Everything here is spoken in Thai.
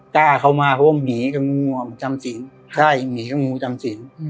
กล้าเข้ามาเพราะว่าหมีกับงูอ่ะมันจำศีลใช่หมีกับงูจำศีล